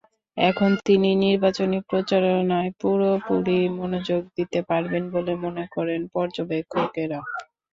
এখন তিনি নির্বাচনী প্রচারণায় পুরোপুরি মনোযোগ দিতে পারবেন বলে মনে করেন পর্যবেক্ষকেরা।